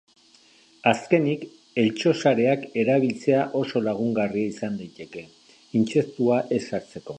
Azkenik, eltxo-sareak erabiltzea oso lagungarria izan daiteke, intsektua ez sartzeko.